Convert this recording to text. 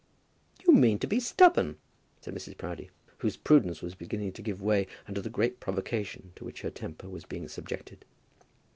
"You mean to be stubborn," said Mrs. Proudie, whose prudence was beginning to give way under the great provocation to which her temper was being subjected.